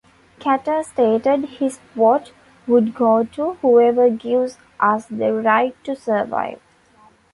Katter stated his vote would go to "whoever gives us the right to survive".